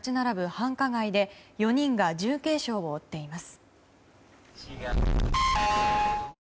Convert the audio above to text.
繁華街で４人が重軽傷を負っています。